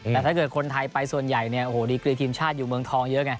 แต่ถ้าเกิดคนไทยไปส่วนใหญ่เนี่ยโอ้โหดีกรีทีมชาติอยู่เมืองทองเยอะไง